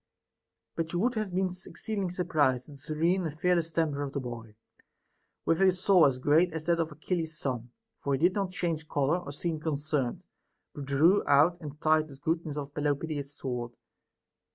But you would have been exceedingly surprised at the serene and fearless temper of the boy, with a soul as great as that of Achil les's son ; for he did not change color or seem concerned, but drew out and tried the goodness of Pelopidas's sword.